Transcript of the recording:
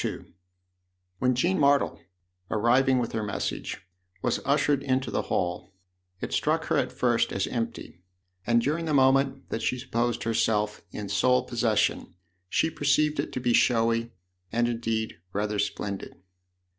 II WHEN Jean Martle, arriving with her message, was ushered into the hall, it struck her at first as empty, and during the moment that she supposed herself in sole possession she perceived it to be showy and indeed rather splendid.